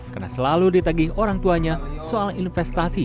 karena selalu ditaging orang tuanya soal investasi